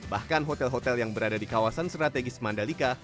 bahkan hotel hotel yang berada di kawasan strategis mandalika